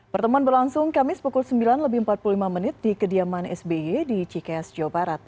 pertemuan berlangsung kamis pukul sembilan lebih empat puluh lima menit di kediaman sby di cikeas jawa barat